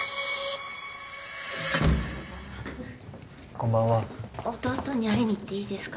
こんばんは弟に会いに行っていいですか？